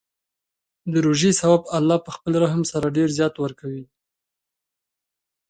د روژې ثواب الله په خپل رحم سره ډېر زیات ورکوي.